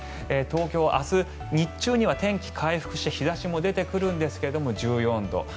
東京明日、日中には天気回復して日差しも出てくるんですが１４度。